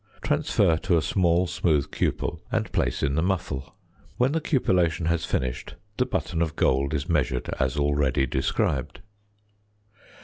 Transfer to a small smooth cupel and place in the muffle. When the cupellation has finished, the button of gold is measured as already described.